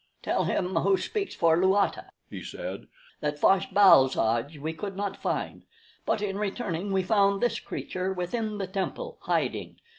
"Tell Him Who Speaks for Luata," he said, "that Fosh bal soj we could not find; but that in returning we found this creature within the temple, hiding.